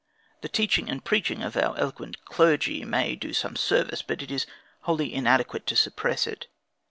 The teaching and preaching of our eloquent Clergy, may do some service, but is wholly inadequate to suppress it.